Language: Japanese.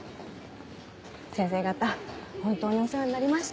先生方本当にお世話になりました。